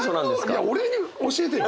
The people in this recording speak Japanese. いや俺に教えてよ！